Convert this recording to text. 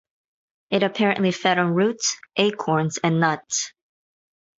It apparently fed on roots, acorns and nuts.